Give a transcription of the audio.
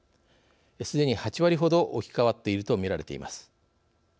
すでに８割ほど置き換わっていると見られています。